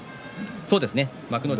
そうですね幕内